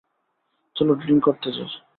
চলো ড্রিংক করতে যাই?